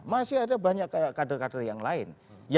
masih ada banyak kader kader yang lain